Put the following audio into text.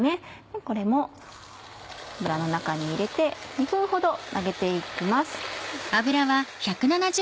これも油の中に入れて２分ほど揚げて行きます。